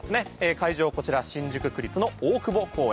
会場をこちら新宿区立の大久保公園。